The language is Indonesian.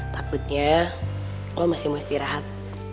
takutnya lo masih istirahat